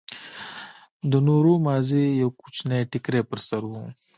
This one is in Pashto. د نورو مازې يو کوچنى ټيکرى پر سر و.